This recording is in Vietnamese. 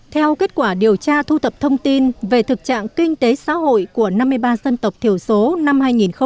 theo kết quả điều tra thu thập thông tin về thực trạng kinh tế xã hội của năm mươi ba dân tộc thiểu số năm hai nghìn một mươi chín